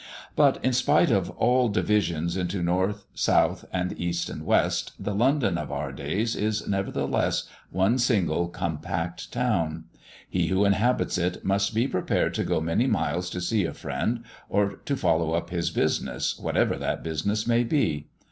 But, in spite of all divisions into North and South, and East and West, the London of our days is, nevertheless, one single compact town; he who inhabits it must be prepared to go many miles to see a friend or to follow up his business, whatever that business may be.